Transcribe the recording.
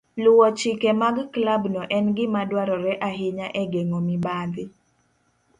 Luwo chike mag klabno en gima dwarore ahinya e geng'o mibadhi.